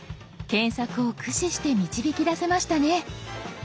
検索を駆使して導き出せましたね。